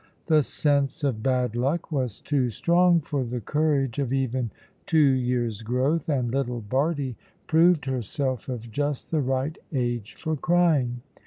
The sense of bad luck was too strong for the courage of even two years' growth, and little Bardie proved herself of just the right age for crying.